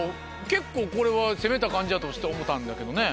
結構これは攻めた感じやとちょっと思ったんだけどね。